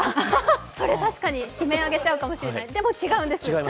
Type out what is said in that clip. それは確かに悲鳴上げちゃうかもしれない、でも違うんです